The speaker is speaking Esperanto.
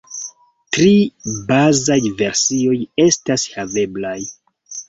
Tri bazaj versioj estas haveblaj.